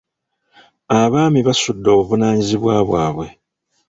Abaami basudde obuvunaanyizibwa bwabwe.